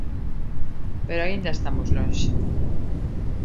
Pero aínda estamos lonxe.